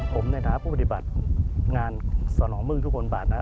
ผมในฐานะผู้ปฏิบัติงานสนองมึงทุกคนบาทนะ